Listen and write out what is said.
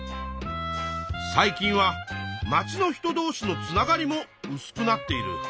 最近はまちの人どうしのつながりもうすくなっている。